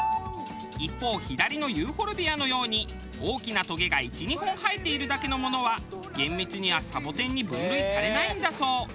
一方左のユーフォルビアのように大きなトゲが１２本生えているだけのものは厳密にはサボテンに分類されないんだそう。